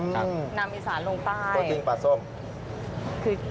ครับครับครัวกริ้งปลาส้มนำอีสานลงใต้